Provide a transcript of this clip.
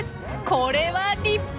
これは立派！